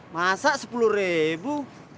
masak sepuluh ribu